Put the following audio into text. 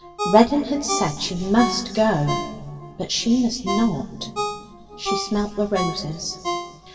Reddin had said she must go, but she must not.' She smelt the roses.